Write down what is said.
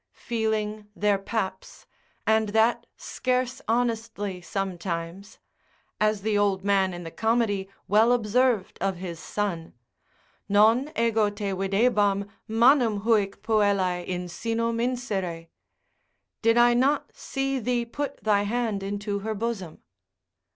feeling their paps, and that scarce honestly sometimes: as the old man in the Comedy well observed of his son, Non ego te videbam manum huic puellae in sinum insere? Did not I see thee put thy hand into her bosom?